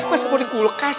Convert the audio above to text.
masuk mau di kulkas